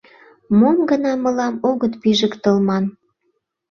Мом гына мылам огыт пижыктыл, ман.